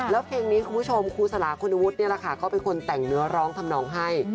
แล้วเพลงนี้คุณผู้ชมครูสลาคุณวุฒินี่แหละค่ะก็เป็นคนแต่งเนื้อร้องทำนองให้